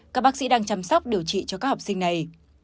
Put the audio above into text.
các bác sĩ đang chăm sóc điều trị cho các học sinh này